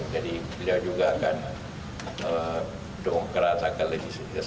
jadi beliau juga akan dongkerat akan lebih sesok